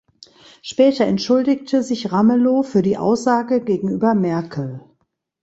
Später entschuldigte sich Ramelow für die Aussage gegenüber Merkel.